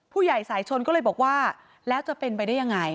ผู้ใหญ่สายชนก็เลยบอกว่าแล้วจะเป็นไปได้ยังไง